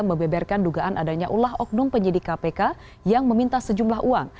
membeberkan dugaan adanya ulah oknum penyidik kpk yang meminta sejumlah uang